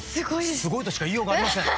すごいとしか言いようがありません。